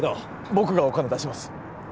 僕がお金出します